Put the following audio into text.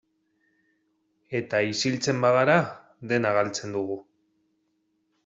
Eta isiltzen bagara, dena galtzen dugu.